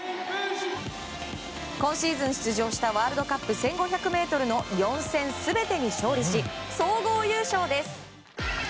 今シーズン出場したワールドカップ１５００ｍの４戦全てに勝利し総合優勝です。